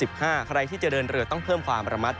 ใครที่จะเดินเรือต้องเพิ่มความระมัดระวัง